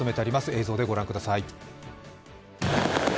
映像でご覧ください。